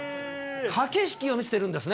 駆け引きを見せているんですね。